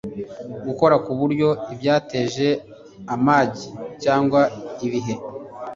gukora ku buryo ibyateje amage cyangwa ibihe